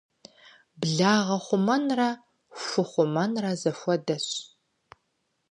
Благъэ хъумэнрэ ху хъумэнрэ зэхуэдэщ.